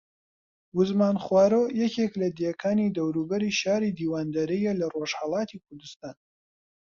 وزمان خوارۆ یەکێک لە دێکانی دەوروبەری شاری دیواندەرەیە لە ڕۆژھەڵاتی کوردستان